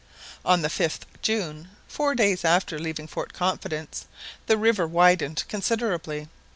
On the 5th June, four days after leaving Fort Confidence the river widened considerably.